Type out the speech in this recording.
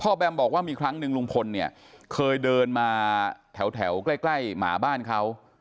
แบมบอกว่ามีครั้งหนึ่งลุงพลเนี่ยเคยเดินมาแถวใกล้หมาบ้านเขา